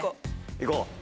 行こう。